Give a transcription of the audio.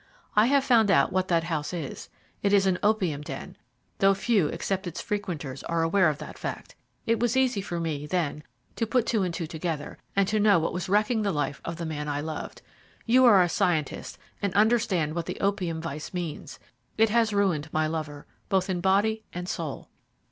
I have found out what that house is. It is an opium den, though few except its frequenters are aware of that fact. It was easy for me, then, to put two and two together, and to know what was wrecking the life of the man I loved. You are a scientist, and understand what the opium vice means. It has ruined my lover, both in body and soul."